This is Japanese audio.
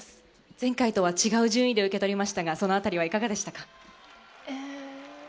前回とは違う順位で受け取りましたが、いかがでしたか？